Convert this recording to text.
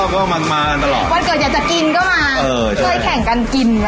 วันเกิดอยากจะกินก็มาช่วยแข่งกันกินนะ